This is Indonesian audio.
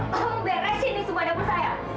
kamu beresin nih semua dapur saya